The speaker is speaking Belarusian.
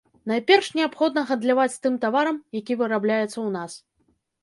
Найперш неабходна гандляваць тым таварам, які вырабляецца ў нас.